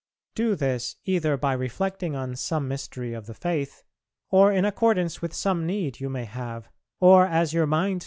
Do this either by reflecting on some mystery of Faith, or in accordance with some need you may have, or as your mind suggests.